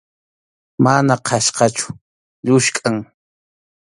Mana qhachqachu, lluskʼam.